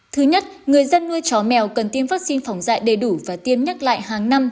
thứ nhất người dân nuôi chó mèo cần tiêm vaccine phòng dạy đầy đủ và tiêm nhắc lại hàng năm